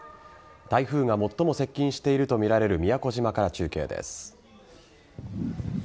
台風が最も接近しているとみられる宮古島から中継です。